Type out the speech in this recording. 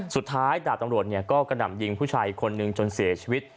สุดท้ายดาบตำรวจก็กระหน่ำยิงผู้ชายคนหนึ่งจนเสียชีวิต